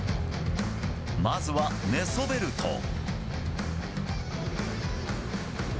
まずは、寝そべると。